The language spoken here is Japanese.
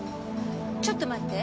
ちょっと待って。